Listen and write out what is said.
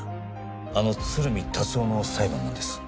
あの鶴見達男の裁判なんです。